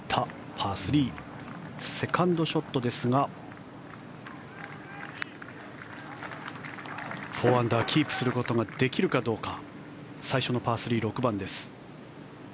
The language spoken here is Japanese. パー３セカンドショットですが４アンダーキープすることができるかどうか最初のパー３、６番です。